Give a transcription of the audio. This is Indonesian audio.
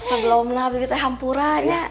sebelumnya bibitnya hampur aja